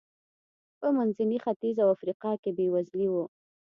په منځني ختیځ او افریقا کې بېوزلي و.